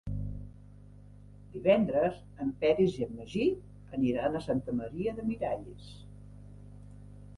Divendres en Peris i en Magí aniran a Santa Maria de Miralles.